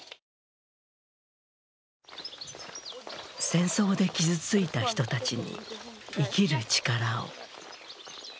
戦争で傷ついた人たちに生きる力を。